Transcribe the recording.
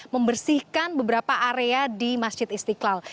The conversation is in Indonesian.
membersihkan beberapa area di masjid istiqlal